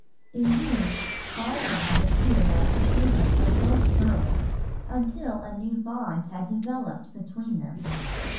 Indeed, Barbara had appeared as the favorite of both girls, until a new bond had developed between them.